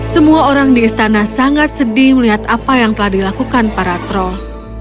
semua orang di istana sangat sedih melihat apa yang telah dilakukan para troll